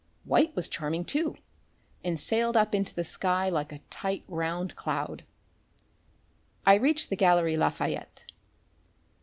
White was charming too, and sailed up into the sky like a tight, round cloud I reached the Galleries Lafayette.